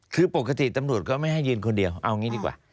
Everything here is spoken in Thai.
คือปกติตำรวจก็ไม่ให้ยืนคนเดียวเอางี้ดีกว่า